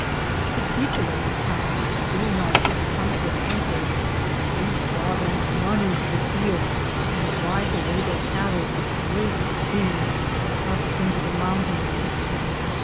The people in the towne, seeinge our shipp com to an anker, we sawe them Rune into the felds and drive awaye there Cattell with greate speede up into the mountaines.